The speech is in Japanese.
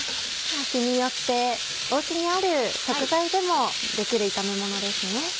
日によってお家にある食材でもできる炒めものですね。